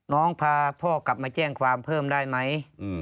น้องพาพ่อกลับมาแจ้งความเพิ่มได้ไหม